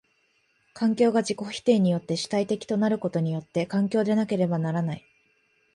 環境が自己否定によって主体的となることによって環境でなければならない。